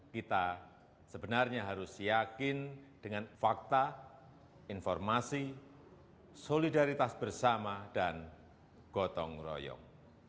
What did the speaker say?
kita sebenarnya harus yakin dengan fakta informasi solidaritas bersama dan gotong royong